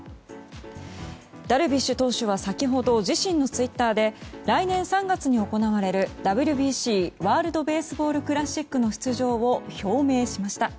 ダルビッシュ投手は先ほど自身のツイッターで来年３月に行われるＷＢＣ・ワールド・ベースボール・クラシックの出場を表明しました。